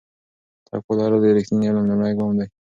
تقوا لرل د رښتیني علم لومړی ګام دی.